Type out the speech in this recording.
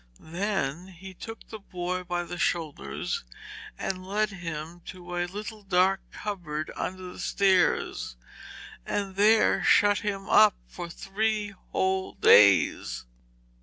Then he took the boy by the shoulders and led him to a little dark cupboard under the stairs, and there shut him up for three whole days.